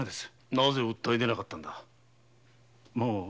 なぜ訴え出なかったのだ？